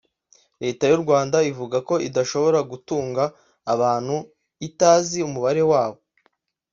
Leta y’u Rwanda ivuga ko idashobora gutunga abantu itazi umubare wabo